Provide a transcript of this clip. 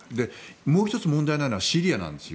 もう１つ問題なのはシリアなんですよ。